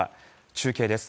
中継です。